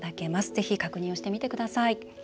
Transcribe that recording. ぜひ確認をしてみてください。